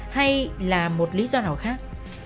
hay là một lý do nào khác